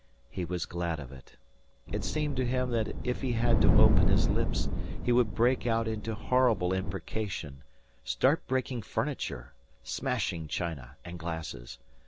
He was glad of it. It seemed to him that if he had to open his lips, he would break out into horrible imprecation, start breaking furniture, smashing china and glasses.